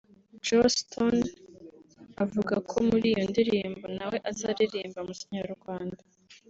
Joss Stone avuga ko muri iyo ndirimbo nawe azaririmba mu Kinyarwanda